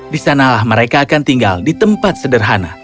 disanalah mereka akan tinggal di tempat sederhana